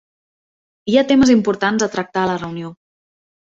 Hi ha temes importants a tractar a la reunió